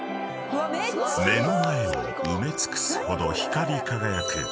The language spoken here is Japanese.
［目の前を埋め尽くすほど光り輝く大パノラマ］